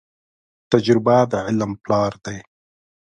تجربه د علم پلار دي.